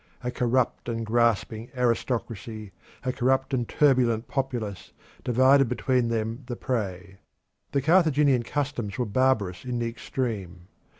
A corrupt and grasping aristocracy, a corrupt and turbulent populace, divided between them the prey. The Carthaginian customs were barbarous in the extreme.